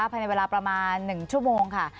ภายในเวลาประมาณ๑ชั่วโมงค่ะ